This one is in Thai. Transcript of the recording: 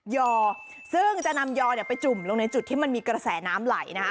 อซึ่งจะนำยอไปจุ่มลงในจุดที่มันมีกระแสน้ำไหลนะฮะ